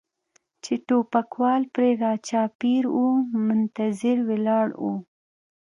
چې ټوپکوال پرې را چاپېر و منتظر ولاړ و.